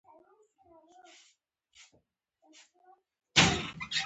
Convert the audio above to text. ټوله جامعه به د خير او سولې جامعه وګرځي.